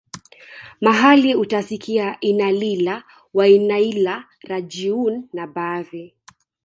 mahali utasikia innalillah wainnailah rajiuun na baadhi